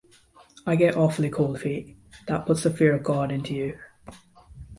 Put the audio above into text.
I get awfully cold feet. That puts the fear of God into you.